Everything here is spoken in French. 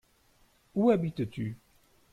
Où habites-tu ?